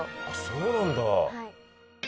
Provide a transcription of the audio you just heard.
そうなんだ。